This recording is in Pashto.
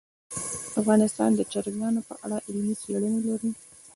افغانستان د چرګان په اړه علمي څېړنې لري.